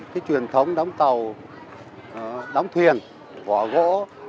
cái truyền thống đóng tàu đóng thuyền vỏ gỗ